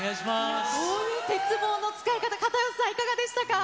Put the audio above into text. こういう鉄棒の使い方、片寄さん、いかがでしたか。